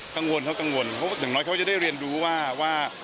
กังวลเขากังวลเพราะอย่างน้อยเขาจะได้เรียนรู้ว่า